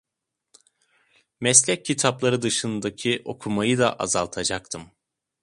Meslek kitapları dışındaki okumayı da azaltacaktım.